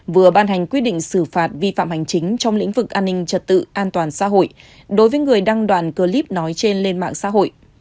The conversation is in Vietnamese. vừa ban hành quyết định xử phạt vi phạm hành chính trong lĩnh vực an ninh trật tự an toàn xã hội đối với người đăng đoàn clip nói trên lên mạng xã hội